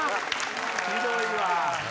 ひどいわ。